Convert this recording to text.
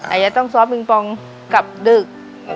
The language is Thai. อาจจะต้องซอฟปิงปองกับดึก